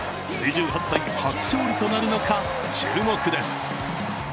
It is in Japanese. ２８歳初勝利となるのか注目です。